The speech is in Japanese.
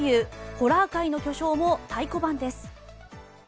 ホラー界の巨匠も太鼓判です。